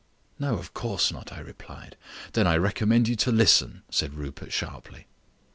"No, of course not," I replied. "Then I recommend you to listen," said Rupert sharply.